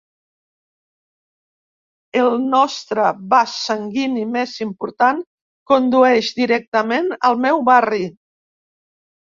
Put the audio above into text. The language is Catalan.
El nostra vas sanguini més important condueix directament al meu barri.